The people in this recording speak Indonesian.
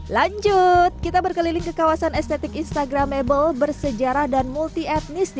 lanjut kita berkeliling ke kawasan estetik instagramable bersejarah dan multi etnis di